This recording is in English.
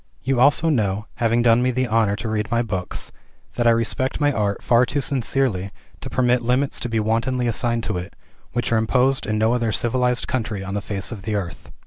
You also know, having done me the honor to read my books, that I respect my art far too sincerely to permit limits to be wantonly assigned to it, which are imposed in no other civilized country on the face of the earth.